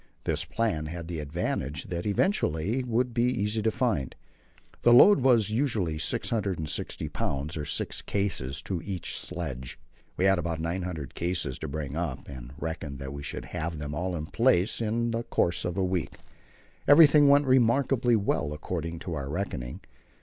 This plan had the advantage that everything would be easy to find. The load was usually 660 pounds, or 6 cases to each sledge. We had about 900 cases to bring up, and reckoned that we should have them all in place in the course of a week. Everything went remarkably well according to our reckoning.